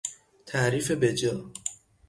تعریف بجا